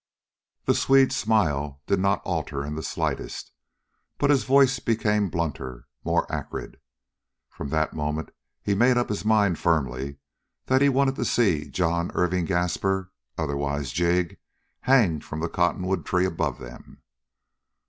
The Swede's smile did not alter in the slightest, but his voice became blunter, more acrid. From that moment he made up his mind firmly that he wanted to see John Irving Gaspar, otherwise Jig, hanged from the cottonwood tree above them.